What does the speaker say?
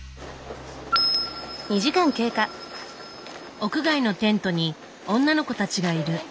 屋外のテントに女の子たちがいる。